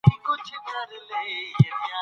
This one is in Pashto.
هر ځل چې برس وکاروئ، میکروبونه خپریږي.